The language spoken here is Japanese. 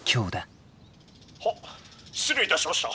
「はっ失礼いたしました」。